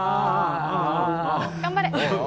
頑張れ。